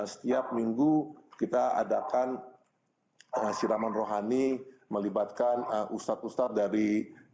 setiap minggu kita adakan penghiraman rohani melibatkan ustadz ustadz dari